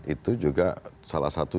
itu juga salah satu